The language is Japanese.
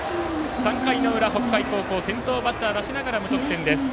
３回の裏、北海高校先頭バッターを出しながら無得点です。